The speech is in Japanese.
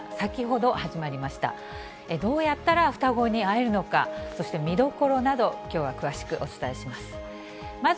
どうやったら双子に会えるのか、そして見どころなど、きょうは詳しくお伝えします。